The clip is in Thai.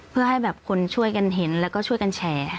เพื่อให้แบบคนช่วยกันเห็นแล้วก็ช่วยกันแชร์